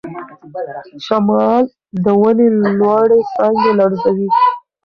شمال د ونې لوړې څانګې لړزوي.